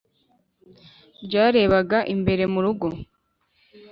Ryarebaga imbere mu rugo